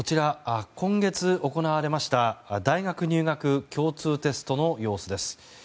今月行われました大学入学共通テストの様子です。